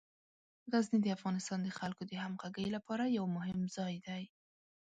غزني د افغانستان د خلکو د همغږۍ لپاره یو مهم ځای دی.